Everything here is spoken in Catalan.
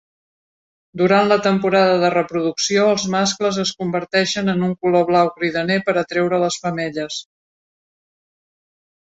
Durant la temporada de reproducció, els mascles es converteixen en un color blau cridaner per atraure les femelles.